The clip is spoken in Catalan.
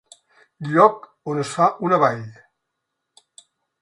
Lloc on es fa una vall.